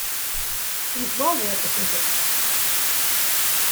It is well worth a visit.